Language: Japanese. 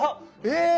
え！